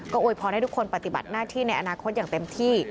โวยพรให้ทุกคนปฏิบัติหน้าที่ในอนาคตอย่างเต็มที่